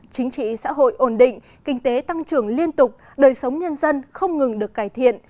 chính trị xã hội ổn định kinh tế tăng trưởng liên tục đời sống nhân dân không ngừng được cải thiện